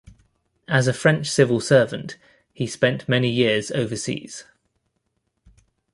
As a French civil servant, he spent many years overseas.